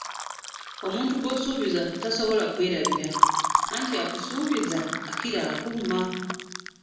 Omuntu gw’osuubiza tasobala kwerabira, anti akusuubiza akira akumma.